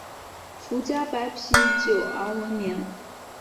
福佳白啤酒而闻名。